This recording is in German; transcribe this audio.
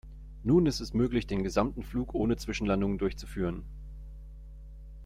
Nun ist es möglich, den gesamten Flug ohne Zwischenlandungen durchzuführen.